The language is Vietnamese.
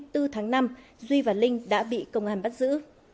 tháng năm duy và linh đã bị công an bắt giữ